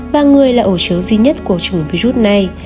và người là ổ chứa duy nhất của chủ virus này